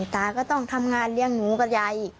ตาก็ต้องทำงานเลี้ยงหนูกับยายอีก